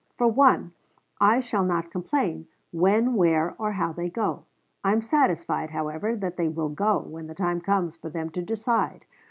For one, I shall not complain when, where, or how they go. I am satisfied, however, that they will go, when the time comes for them to decide.